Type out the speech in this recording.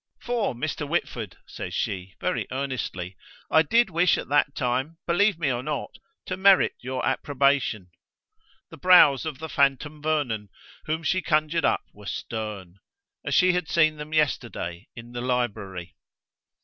"For, Mr. Whitford," says she, very earnestly, "I did wish at that time, believe me or not, to merit your approbation." The brows of the phantom Vernon whom she conjured up were stern, as she had seen them yesterday in the library.